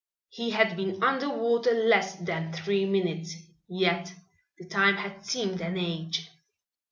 He had been under water less than three minutes, yet the time had seemed an age.